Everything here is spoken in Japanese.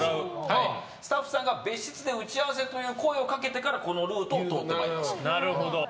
スタッフさんが、別室で打ち合わせと声をかけてからこのルートを通ってまいります。